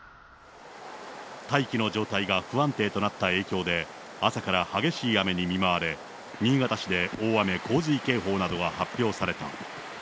大気の状態が不安定となった影響で、朝から激しい雨に見舞われ、新潟市で大雨洪水警報などが発表された。